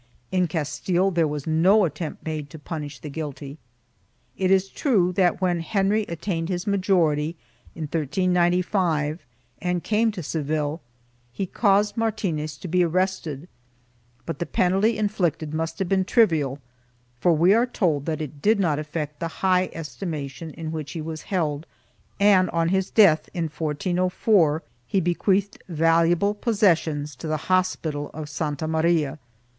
In Castile there was no attempt made to punish the guilty. It is true that when Henry attained his majority, in 1395, and came to Seville, he caused Martinez to be arrested, but the penalty inflicted must have been trivial, for we are told that it did not affect the high estimation in which he was held and, on his death in 1404, he bequeathed valuable posses sions to the Hospital of Santa Maria.